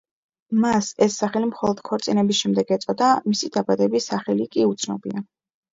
მას ეს სახელი მხოლოდ ქორწინების შემდეგ ეწოდა, მისი დაბადების სახელი კი უცნობია.